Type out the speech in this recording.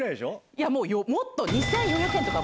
いや、もうもっと、２４００円とか。